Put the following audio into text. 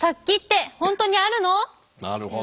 なるほど。